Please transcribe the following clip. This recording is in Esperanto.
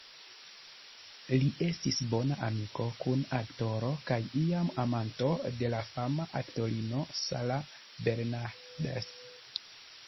Li estis bona amiko, kun-aktoro, kaj iam amanto de la fama aktorino Sarah Bernhardt.